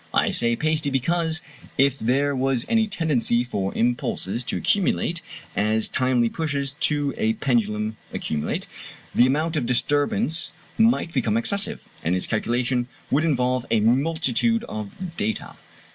I say pasty, because, if there was any tendency for impulses to accumulate, as timely pushes given to a pendulum accumulate, the amount of disturbance might become excessive, and its calculation would involve a multitude of data.